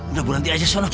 udah buranti aja sono